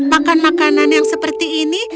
makan makanan yang seperti ini